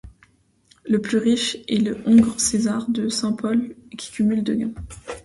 Le plus riche est le hongre César de Saint Pol qui cumule de gains.